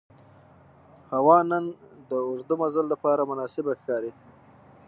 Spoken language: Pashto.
هوا نن د اوږده مزل لپاره مناسبه ښکاري